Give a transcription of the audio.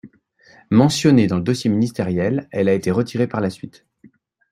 Mentionnée dans le dossier ministériel, elle a été retirée par la suite.